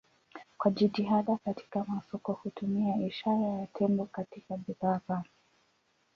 Kwa jitihada katika masoko hutumia ishara ya tembo katika bidhaa zake.